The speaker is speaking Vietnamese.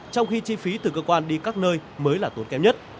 trong khi chi phí từ cơ quan đi các nơi mới là tốn kém nhất